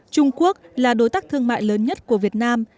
trung quốc là đối tác thương mại lớn nhất của việt nam